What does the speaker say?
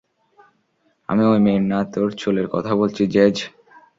আমি ওই মেয়ের না তোর চুলের কথা বলছি, জ্যাজ।